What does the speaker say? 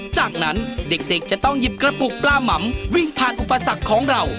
จากนั้นเด็กจะต้องหยิบกระปุกปลาหม่ำวิ่งผ่านอุปสรรคของเรา